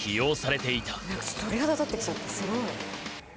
鳥肌立ってきちゃったすごい。